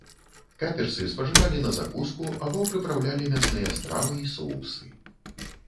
Каперсы спажывалі на закуску або прыпраўлялі мясныя стравы і соусы.